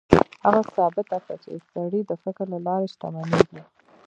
هغه ثابته کړه چې سړی د فکر له لارې شتمنېږي.